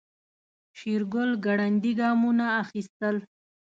شېرګل ګړندي ګامونه اخيستل.